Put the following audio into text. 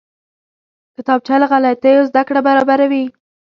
کتابچه له غلطیو زده کړه برابروي